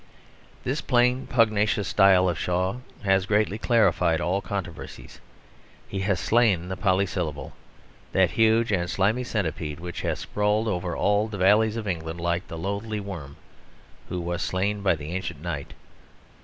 This plain, pugnacious style of Shaw has greatly clarified all controversies. He has slain the polysyllable, that huge and slimy centipede which has sprawled over all the valleys of England like the "loathly worm" who was slain by the ancient knight.